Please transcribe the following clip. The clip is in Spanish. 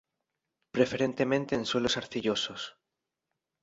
Preferentemente en suelos arcillosos.